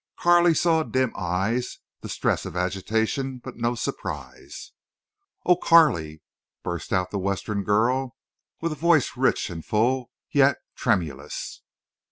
Carley saw dim eyes—the stress of agitation, but no surprise. "Oh, Carley!" burst out the Western girl, with voice rich and full, yet tremulous.